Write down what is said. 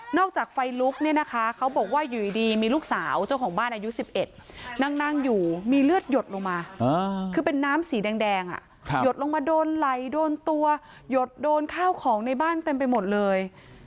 จากไฟลุกเนี่ยนะคะเขาบอกว่าอยู่ดีมีลูกสาวเจ้าของบ้านอายุ๑๑นั่งอยู่มีเลือดหยดลงมาคือเป็นน้ำสีแดงหยดลงมาโดนไหลโดนตัวหยดโดนข้าวของในบ้านเต็มไปหมดเลย